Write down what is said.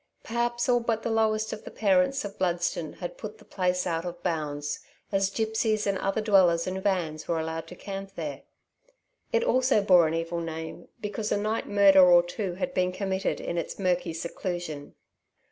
Perhaps all but the lowest of the parents of Bludston had put the place out of bounds, as gipsies and other dwellers in vans were allowed to camp there. It also bore an evil name because a night murder or two had been committed in its murky seclusion.